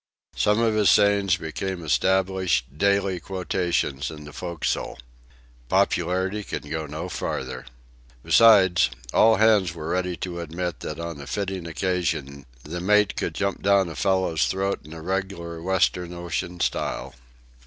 Some of his sayings became established, daily quotations in the forecastle. Popularity can go no farther! Besides, all hands were ready to admit that on a fitting occasion the mate could "jump down a fellow's throat in a reg'lar Western Ocean style."